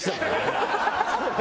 ハハハハ！